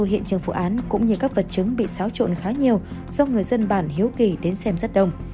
hiện trường vụ án cũng như các vật chứng bị xáo trộn khá nhiều do người dân bản hiếu kỳ đến xem rất đông